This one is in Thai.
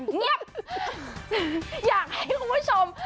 อย่างนี้อยากให้คุณผู้ชม